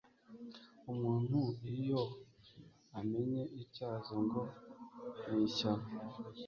Umuntu iyo amennye ityazo, ngo ni ishyano